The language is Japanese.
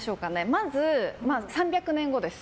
まず、３００年後です。